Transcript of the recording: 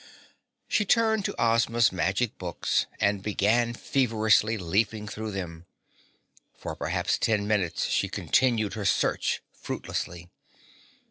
She turned to Ozma's magic books and began feverishly leafing through them. For perhaps ten minutes she continued her search fruitlessly.